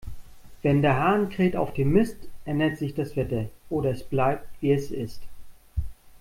Wenn der Hahn kräht auf dem Mist, ändert sich das Wetter, oder es bleibt, wie es ist.